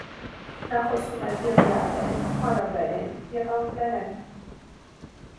Նա խոսում էր եբրայերեն, արաբերեն և անգլերեն։